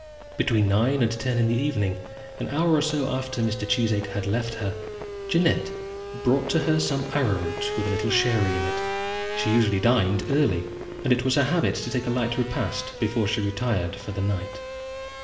Between nine and ten in the evening, an hour or so after Mr. Cheesacre had left her, Jeannette brought to her some arrowroot with a little sherry in it. She usually dined early, and it was her habit to take a light repast before she retired for the night.